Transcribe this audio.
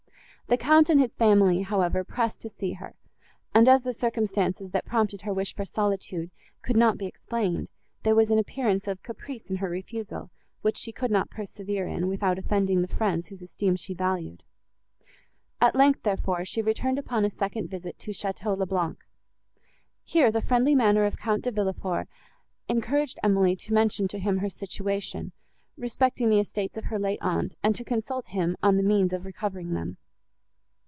The Count and his family, however, pressed to see her; and, as the circumstances, that prompted her wish for solitude, could not be explained, there was an appearance of caprice in her refusal, which she could not persevere in, without offending the friends, whose esteem she valued. At length, therefore, she returned upon a second visit to Château le Blanc. Here the friendly manner of Count De Villefort encouraged Emily to mention to him her situation, respecting the estates of her late aunt, and to consult him on the means of recovering them.